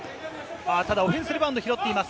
オフェンスリバウンド、拾っています。